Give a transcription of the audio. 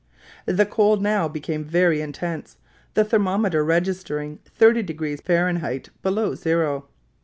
The cold now became very intense, the thermometer registering 30 degrees F. below zero.